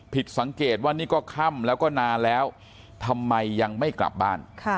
ผิดสังเกตว่านี่ก็ค่ำแล้วก็นานแล้วทำไมยังไม่กลับบ้าน